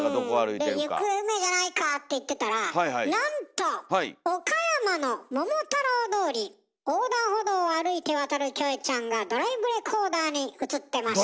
で行方不明じゃないかって言ってたらなんと岡山の桃太郎大通り横断歩道を歩いて渡るキョエちゃんがドライブレコーダーに映ってました。